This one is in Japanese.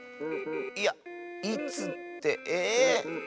いやいつってええ？